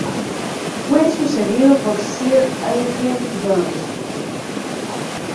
Fue sucedido por Sir Adrian Johns.